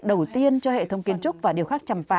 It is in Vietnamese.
đầu tiên cho hệ thống kiến trúc và điều khắc trăm pa